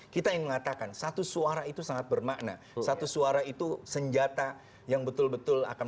kita ingin mengatakan satu suara itu sangat bermakna satu suara itu senjata yang betul betul akan